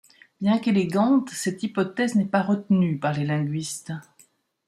Bien qu’élégante, cette hypothèse n’est pas retenue par les linguistes.